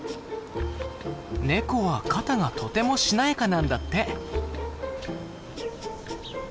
ネコは肩がとてもしなやかなんだって。